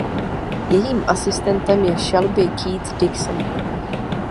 Jejím asistentem je Shelby Keith Dixon.